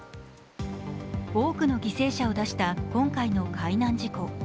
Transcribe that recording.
多くの犠牲者を出した今回の海難事故。